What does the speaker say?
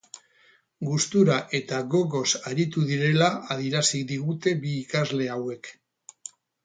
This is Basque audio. Gustura eta gogoz aritu direla adierazi digute bi ikasle hauek.